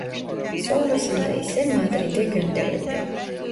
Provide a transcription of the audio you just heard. Sonrasında ise Madrid'e gönderildi.